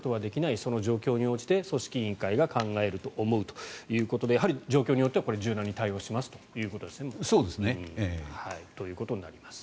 その状況に応じて組織委員会が考えると思うということでやはり状況によっては柔軟に対応しますということなんですね。ということになります。